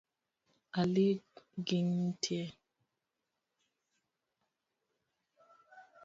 Ali, gintie.